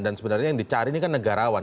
dan sebenarnya yang dicari ini kan negarawan